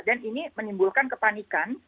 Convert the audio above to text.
dan ini menimbulkan kepanikan